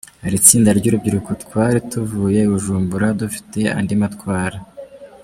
Hari itsinda ry’urubyiruko twari tuvuye i Bujumbura dufite andi matwara.